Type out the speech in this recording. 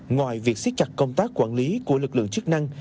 ngoài việc siết chặt công tác quản lý của lực lượng chức năng